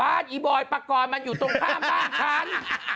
บ้านอีบอยปากกรมันอยู่ตรงข้ามบ้านฉัน